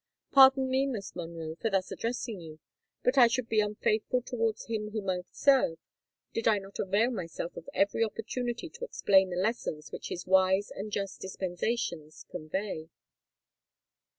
Pardon me, Miss Monroe, for thus addressing you; but I should be unfaithful towards Him whom I serve, did I not avail myself of every opportunity to explain the lessons which his wise and just dispensations convey."